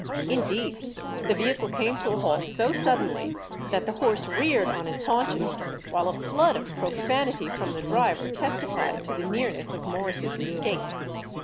Indeed, the vehicle came to a halt so suddenly that the horse reared on its haunches, while a flood of profanity from the driver testified to the nearness of Morris' escape.